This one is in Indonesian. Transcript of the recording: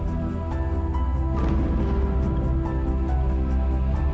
ada garis tipis antara benci sama cinta